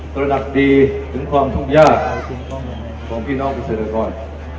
ตระหนักดีถึงความทุกข์ยากของพี่น้องเกษตรกร